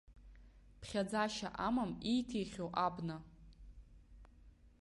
Ԥхьаӡашьа амам ииҭихьоу абна.